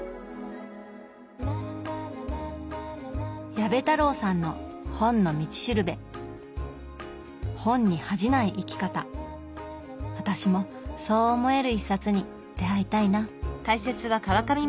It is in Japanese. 矢部太郎さんの「本の道しるべ」本に恥じない生き方私もそう思える一冊に出会いたいな。